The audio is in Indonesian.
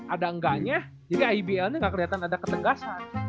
ada enggaknya jadi ibl ini gak kelihatan ada ketegasan